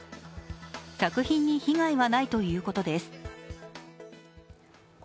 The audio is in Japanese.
作品に被害はないということです。